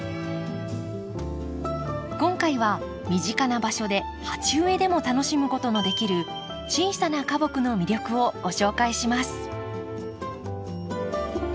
今回は身近な場所で鉢植えでも楽しむことのできる小さな花木の魅力をご紹介します。